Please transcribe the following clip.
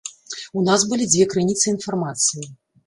У нас былі дзве крыніцы інфармацыі.